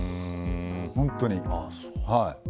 本当に。